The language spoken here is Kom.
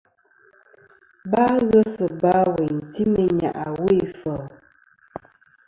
Ba ghes ba wêyn ti meyn nyàʼ awo ifeli.